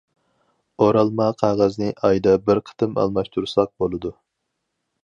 ئورالما قەغەزنى ئايدا بىر قېتىم ئالماشتۇرساق بولىدۇ.